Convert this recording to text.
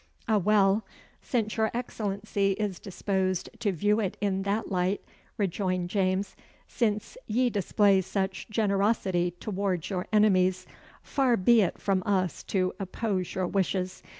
"Aweel, since your Excellency is disposed to view it in that light," rejoined James "since ye display such generosity towards your enemies, far be it from us to oppose your wishes.